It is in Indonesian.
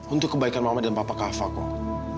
untuk kebaikan mama dan papa kava kok